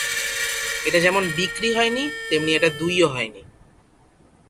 এটা যেমন বিক্রি হয়নি, তেমনি এটা দুইও হয়নি।